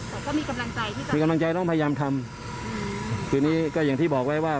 แต่ก็มีกำลังใจพี่ไทยมีกำลังใจต้องพยายามทำคือนี้ก็อย่างที่บอกไว้ว่า